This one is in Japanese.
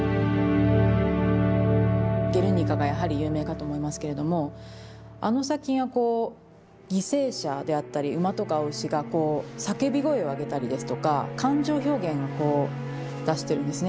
「ゲルニカ」がやはり有名かと思いますけれどもあの作品はこう犠牲者であったり馬とか牛がこう叫び声を上げたりですとか感情表現がこう出してるんですね。